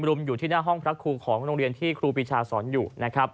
รุมอยู่ที่หน้าห้องพลักษณ์ครูของโรงเรียนที่ครูปีชาสอนอยู่